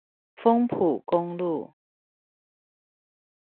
豐埔公路